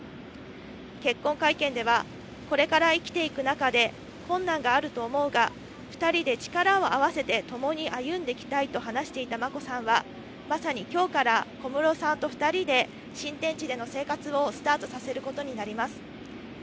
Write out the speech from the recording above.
結婚会見では、これから生きていく中でも困難があると思うが、２人で力を合わせてともに歩んでいきたいと話していた眞子さんは、まさに今日から小室さんと２人で新天地での生活をスタートさせることになります。